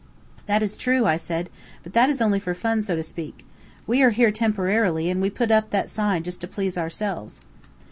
"That is true," I said; "but that is only for fun, so to speak. We are here temporarily, and we put up that sign just to please ourselves."